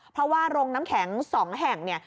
เพราะว่าโรงน้ำแข็ง๒แห่งเนี่ย